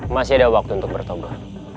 masih ada waktu untuk bertobat